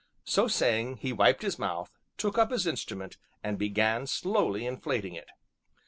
So saying, he wiped his mouth, took up his instrument, and began slowly inflating it.